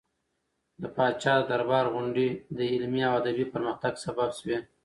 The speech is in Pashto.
د پاچا د دربار غونډې د علمي او ادبي پرمختګ سبب شوې.